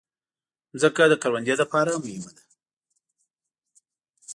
مځکه د کروندې لپاره مهمه ده.